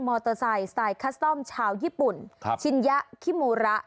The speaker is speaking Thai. เตอร์ไซค์สไตล์คัสตอมชาวญี่ปุ่นชินยะคิมูระ